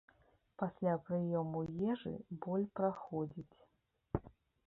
Пасля прыёму ежы боль праходзіць.